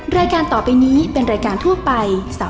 ใช่